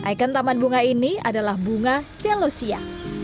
ikon taman bunga ini adalah bunga celosia